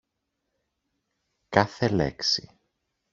κάθε λέξη